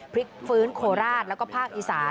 พลิกฟื้นโคราชแล้วก็ภาคอีสาน